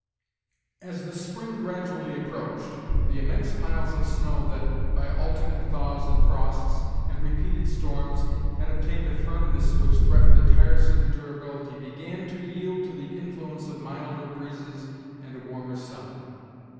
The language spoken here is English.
As the spring gradually approached, the immense piles of snow that, by alternate thaws and frosts, and repeated storms, had obtained a firmness which threatened a tiresome durability, began to yield to the influence of milder breezes and a warmer sun.